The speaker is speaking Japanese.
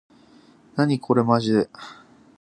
なにこれまじで